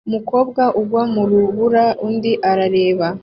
Umukobwa ugwa mu rubura undi arareba